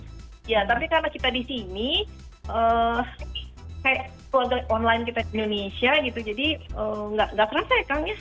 ya tapi karena kita di sini kayak keluarga online kita di indonesia gitu jadi nggak kerasa ya kang ya